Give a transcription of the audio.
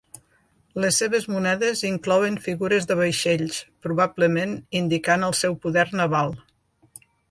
Les seves monedes inclouen figures de vaixells, probablement indicant el seu poder naval.